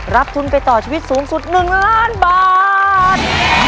รับทุนไปต่อชีวิตสูงสุด๑ล้านบาท